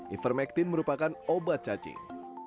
ivermectin merupakan obat cacing